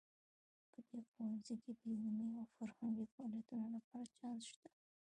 په دې ښوونځي کې د علمي او فرهنګي فعالیتونو لپاره چانس شته